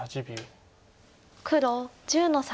黒１０の三。